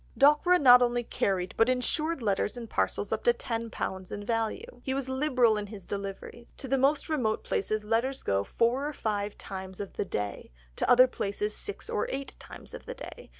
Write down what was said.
Dockwra not only carried, but insured letters and parcels up to £10 in value. He was liberal in his deliveries. "To the most remote Places Letters go four or five times of the day, to other Places six or eight times of the day.